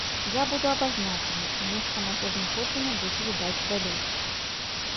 Я буду абазначаны, месца майго знаходжання будзе відаць здалёк.